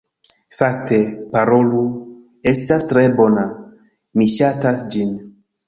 Fakte, Parolu estas tre bona, mi ŝatas ĝin